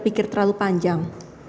pikir terlalu panjang